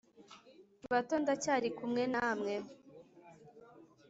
bato f ndacyari kumwe namwe